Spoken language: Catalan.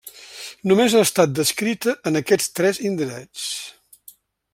Només ha estat descrita en aquests tres indrets.